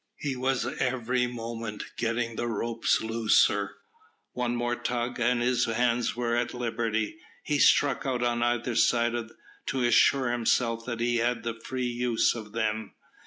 He was every moment getting the ropes looser. One more tug, and his hands were at liberty. He struck out on either side to assure himself that he had the free use of them.